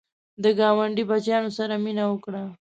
د ګاونډي بچیانو سره مینه وکړه